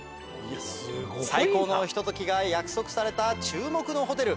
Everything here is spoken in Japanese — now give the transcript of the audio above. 最高のひと時が約束された注目のホテル。